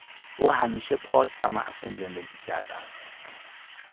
او همیشه پاک و معصوم زندگی کرده است.